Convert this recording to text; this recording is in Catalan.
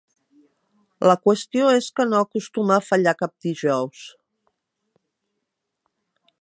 La qüestió és que no acostuma a fallar cap dijous.